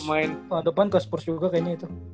tahun depan ke spurs juga kayaknya itu